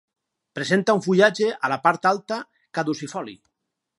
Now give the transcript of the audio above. Presenta un fullatge, a la part alta, caducifoli.